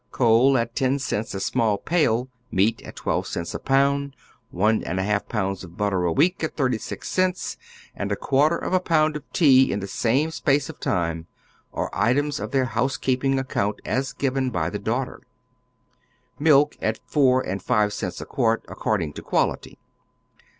Coal at ten cents a small pail, meat at twelve cents a pound, one and a half pound of butter a week at thirty six cents, and a quarter of a pound of tea in tlie same space of time, are items of their house keeping account as given by the daughter. Milk at four and five cents a quart, " accord ing to quality."